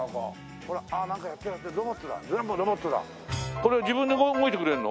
これ自分で動いてくれるの？